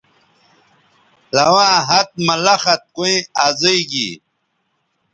لواں ہَت مہ لخت کویں ازئ گی